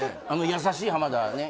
やさしい浜田ね